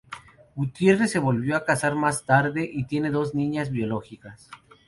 Gutierrez se volvió a casar más tarde y tiene dos niñas biológicas.